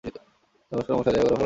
নমস্কার মশাই, দেখা করে ভালো লাগলো।